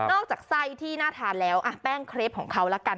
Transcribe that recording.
อกจากไส้ที่น่าทานแล้วแป้งเครปของเขาละกัน